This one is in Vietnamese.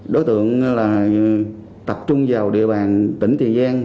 đối tượng là tập trung vào địa bàn tỉnh tiền giang